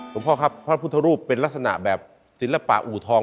พ่อครับพระพุทธรูปเป็นลักษณะแบบศิลปะอูทอง